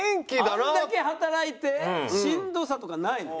あれだけ働いてしんどさとかないの？